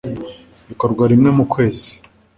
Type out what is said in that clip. bikorwa rimwe mu kwezi